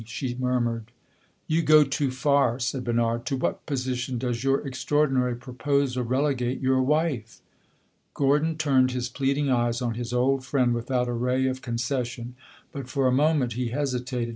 she murmured. "You go too far," said Bernard. "To what position does your extraordinary proposal relegate your wife?" Gordon turned his pleading eyes on his old friend without a ray of concession; but for a moment he hesitated.